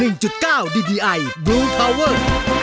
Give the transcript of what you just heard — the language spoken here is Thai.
ร้องได้ให้ร้าน